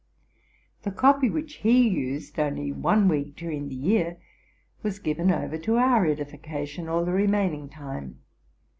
The copy which he used only one week during the year was given over to our edifi cation all the remaining time.